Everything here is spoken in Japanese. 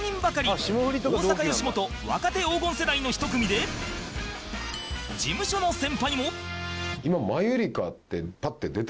大阪よしもと若手黄金世代の１組で事務所の先輩も